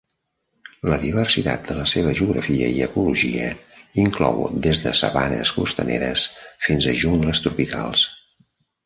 La diversitat de la seva geografia i ecologia inclou des de sabanes costaneres fins a jungles tropicals.